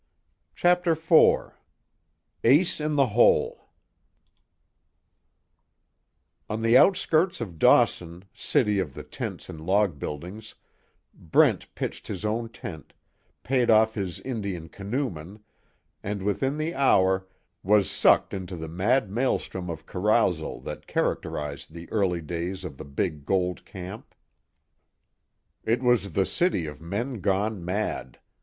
CHAPTER IV ACE IN THE HOLE On the outskirts of Dawson, city of the tents and log buildings, Brent pitched his own tent, paid off his Indian canoeman, and within the hour was sucked into the mad maelstrom of carousal that characterized the early days of the big gold camp. It was the city of men gone mad.